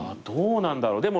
どうなんだろう。